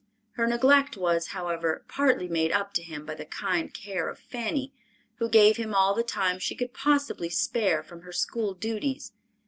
Her neglect was, however, partly made up to him by the kind care of Fanny, who gave him all the time she could possibly spare from her school duties.